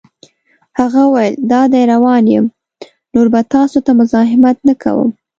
هغه وویل: دادی روان یم، نور به ستاسو ته مزاحمت نه کوم.